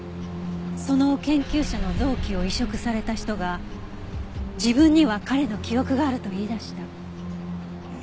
その研究者の臓器を移植された人が自分には彼の記憶があると言いだした。